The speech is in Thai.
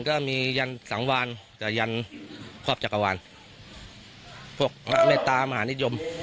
ก็มียันสังวานกับยันครอบจักรวาลพวกเมตตามหานิยม